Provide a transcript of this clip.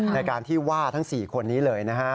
ในการที่ว่าทั้ง๔คนนี้เลยนะฮะ